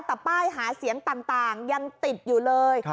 แต่ป้ายหาเสียงต่างยังติดอยู่เลย